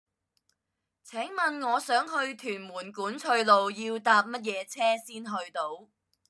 請問我想去屯門管翠路要搭乜嘢車先去到